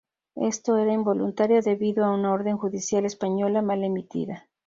Esto era involuntario debido a una orden judicial española mal emitida.